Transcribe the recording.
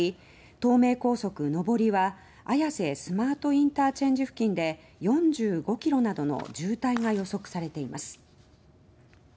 東名高速上りは綾瀬スマートＩＣ付近で４５ｋｍなどの渋滞が予測されています。